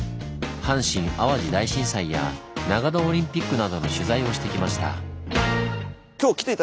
阪神・淡路大震災や長野オリンピックなどの取材をしてきました。